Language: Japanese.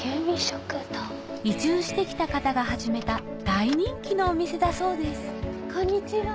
移住してきた方が始めた大人気のお店だそうですこんにちは。